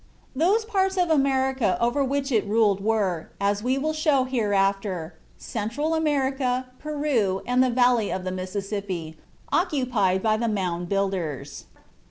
Those parts of America over which it ruled were, as we will show hereafter, Central America, Peru, and the Valley of the Mississippi, occupied by the "Mound Builders."